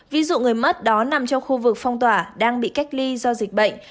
ví dụ người mất đó nằm trong khu vực phong tỏa đang bị cách ly do dịch bệnh